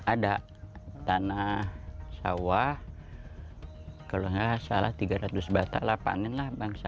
ada tanah sawah kalau gak salah tiga ratus batal panin lah bangsa